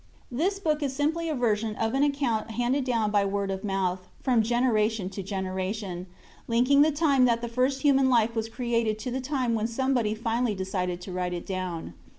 This book is simply a version of an account handed down by word of mouth, from generation to generation, linking the time that the first human life was created to the time when somebody finally decided to write it down.